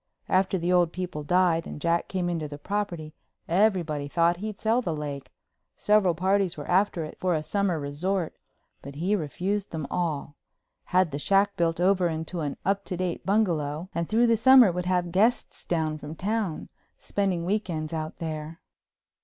After the old people died and Jack came into the property everybody thought he'd sell the lake—several parties were after it for a summer resort—but he refused them all, had the shack built over into an up to date bungalow, and through the summer would have guests down from town, spending week ends out there.